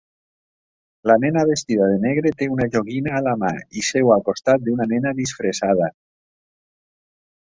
La nena vestida de negre té una joguina a la mà i seu al costat d'una nena disfressada.